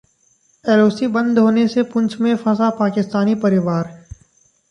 LOC बंद होने से पुंछ में फंसा पाकिस्तानी परिवार